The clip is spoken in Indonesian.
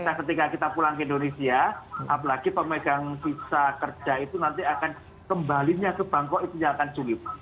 nah ketika kita pulang ke indonesia apalagi pemegang sisa kerja itu nanti akan kembalinya ke bangkok itu yang akan sulit